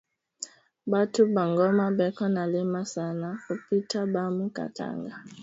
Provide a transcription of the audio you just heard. Batu ba goma beko na lima sana kupita bamu katanga